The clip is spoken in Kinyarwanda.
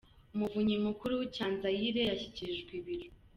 Umuvunyi Mukuru Cyanzayire yashyikirijwe ibiro